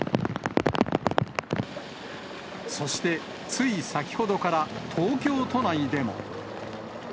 そしてつい先ほどから東京都内でも。